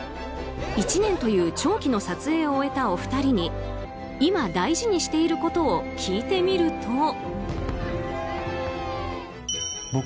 １年という長期の撮影を終えたお二人に今、大事にしていることを聞いてみると。